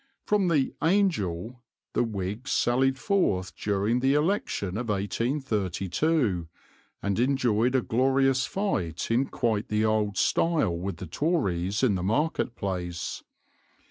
From the "Angel" the Whigs sallied forth during the election of 1832, and enjoyed a glorious fight in quite the old style with the Tories in the market place.